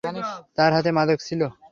তার হাতে মাদক ছিল।